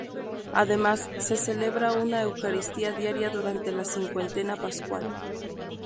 Además, se celebra una eucaristía diaria durante la cincuentena pascual.